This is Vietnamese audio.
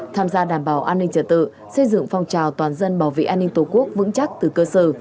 tham gia đảm bảo an ninh trật tự xây dựng phong trào toàn dân bảo vệ an ninh tổ quốc vững chắc từ cơ sở